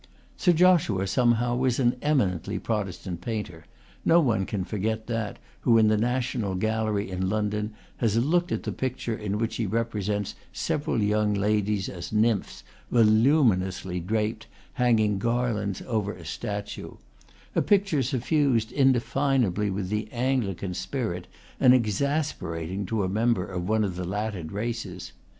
Sir Joshua, somehow, was an eminently Protestant painter; no one can forget that, who in the National Gallery in London has looked at the picture in which he represents several young ladies as nymphs, voluminously draped, hanging gar lands over a statue, a picture suffused indefinably with the Anglican spirit, and exasperating to a mem ber of one of the Latin races.